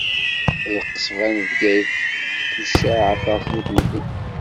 Lqesba n Bgayet tucaɛ aṭas deg temdint.